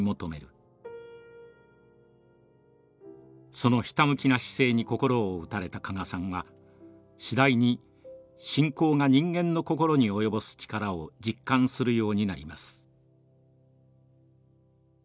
そのひたむきな姿勢にこころを打たれた加賀さんは次第に信仰が人間のこころに及ぼす力を実感するようになります。